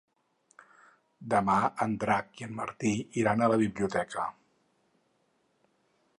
Demà en Drac i en Martí iran a la biblioteca.